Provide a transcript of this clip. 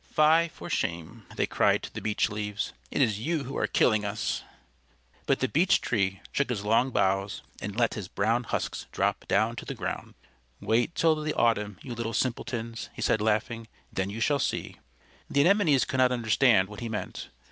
"Fie for shame!" they cried to the Beech Leaves. "It is you who are killing us," But the Beech shook his long boughs and let his brown husks drop down to the ground, "Wait till the autumn, you little simpletons," he said, laughing. "Then you shall see." The Anemones could not understand what he meant.